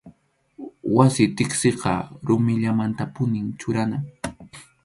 Wasi tiqsiqa rumillamantapunim churana.